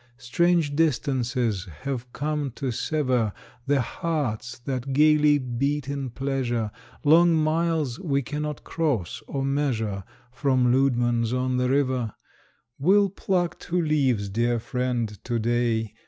Strange distances have come to sever The hearts that gayly beat in pleasure, Long miles we cannot cross or measure From Leudemann's on the River. We'll pluck two leaves, dear friend, to day.